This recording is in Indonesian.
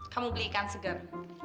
kamu belikan segar